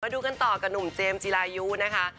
ดูกันต่อกับหนุ่มเจมส์จีรายุนะคะ